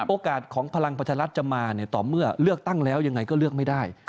โอกาสของพลังประชารัฐจะมาต่อเมื่อเลือกตั้งแล้วยังไงก็เลือกไม่ได้